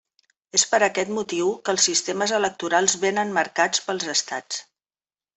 És per aquest motiu que els sistemes electorals vénen marcats pels estats.